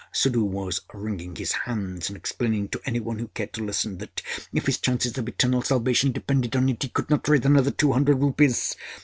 Suddhoo was wringing his hands and explaining to any one who cared to listen, that, if his chances of eternal salvation depended on it, he could not raise another two hundred rupees.